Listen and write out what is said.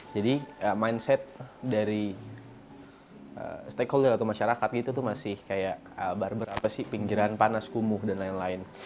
jadi mindset dari stakeholder atau masyarakat itu masih kayak barbershop apa sih pinggiran panas kumuh dan lain lain